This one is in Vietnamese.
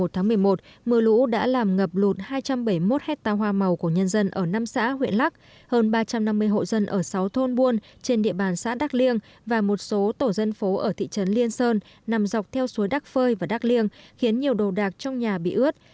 một mươi một tháng một mươi một mưa lũ đã làm ngập lụt hai trăm bảy mươi một hecta hoa màu của nhân dân ở năm xã huyện lắc hơn ba trăm năm mươi hộ dân ở sáu thôn buôn trên địa bàn xã đắk liên và một số tổ dân phố ở thị trấn liên sơn nằm dọc theo suối đắk phơi và đắk liên khiến nhiều đồ đạc trong nhà bị ướt